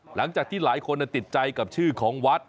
หลังจากที่หลายคนติดใจกับชื่อของวัด